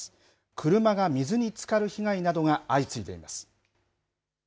車が水につかる被害などが相次いでいます。